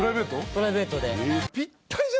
プライベートで。